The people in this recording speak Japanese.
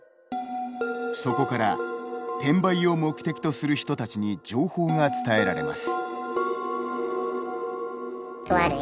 そこから転売を目的とする人たちに情報が伝えられます。